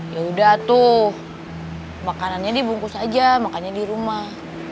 yaudah tuh makanannya dibungkus aja makannya di rumah